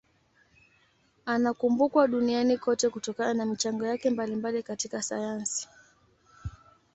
Anakumbukwa duniani kote kutokana na michango yake mbalimbali katika sayansi.